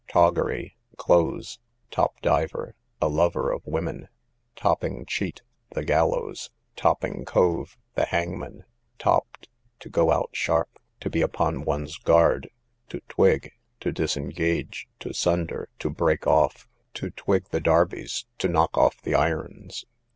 Toggery, clothes. Top diver, a lover of women. Topping cheat, the gallows. Topping cove, the hangman. Topt, to go out sharp, to be upon one's guard. To twig, to disengage, to sunder, to break off. To twig the darbies, to knock of the irons.